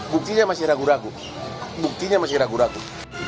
buktinya masih ragu ragu